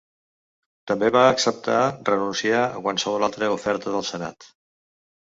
També va acceptar renunciar a qualsevol altra oferta del senat.